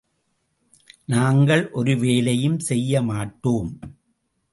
நாங்கள் ஒரு வேலையும் செய்ய மாட்டோம்.